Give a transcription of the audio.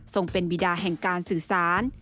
เป็นบิดาแห่งการสื่อสาร